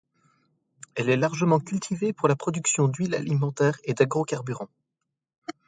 Elle est largement cultivée pour la production d'huile alimentaire et d'agrocarburant.